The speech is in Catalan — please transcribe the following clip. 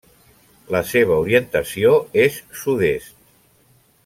La seva orientació és sud-est.